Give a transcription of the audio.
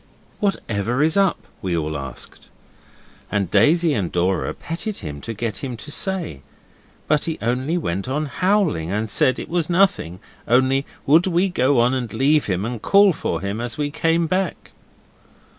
'Whatever is up?' we all asked, and Daisy and Dora petted him to get him to say, but he only went on howling, and said it was nothing, only would we go on and leave him, and call for him as we came back.